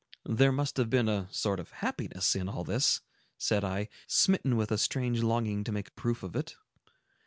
"There must have been a sort of happiness in all this," said I, smitten with a strange longing to make proof of it.